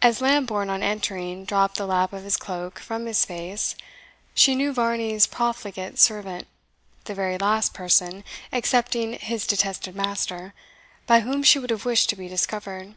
As Lambourne, on entering, dropped the lap of his cloak from his face, she knew Varney's profligate servant, the very last person, excepting his detested master, by whom she would have wished to be discovered.